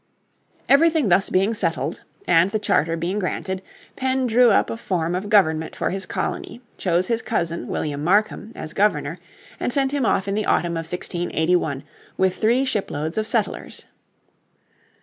Everything thus being settled, and the charter being granted, Penn drew up a form of government for his colony, chose his cousin, William Markham, as Governor, and sent him off in the autumn of 1681 with three shiploads of settlers.